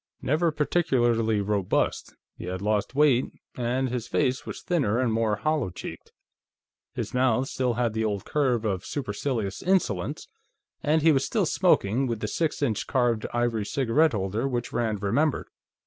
Never particularly robust, he had lost weight, and his face was thinner and more hollow cheeked. His mouth still had the old curve of supercilious insolence, and he was still smoking with the six inch carved ivory cigarette holder which Rand remembered.